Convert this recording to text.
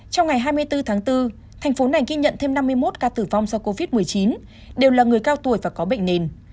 trong ngày hai mươi bốn tháng bốn thành phố này ghi nhận thêm năm mươi một ca tử vong do covid một mươi chín đều là người cao tuổi và có bệnh nền